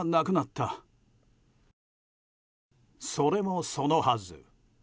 それもそのはず。